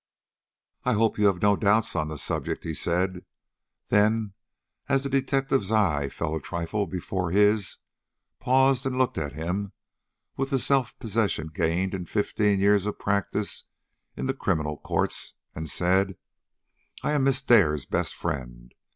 "I hope you have no doubts on the subject," he said; then, as the detective's eye fell a trifle before his, paused and looked at him with the self possession gained in fifteen years of practice in the criminal courts, and said: "I am Miss Dare's best friend.